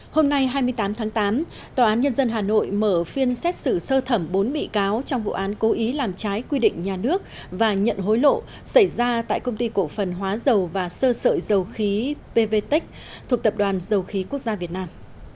hôm nay hai mươi tám tháng tám tòa án nhân dân hà nội mở phiên xét xử sơ thẩm bốn bị cáo trong vụ án cố ý làm trái quy định nhà nước và nhận hối lộ xảy ra tại công ty cổ phần hóa dầu và sơ sợi dầu khí pvtec thuộc tập đoàn dầu khí quốc gia việt nam